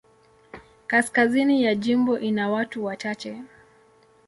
Kaskazini ya jimbo ina watu wachache.